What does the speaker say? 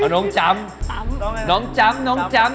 เอาจำเอาน้องจำ